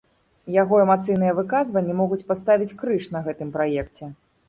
Яго эмацыйныя выказванні могуць паставіць крыж на гэтым праекце.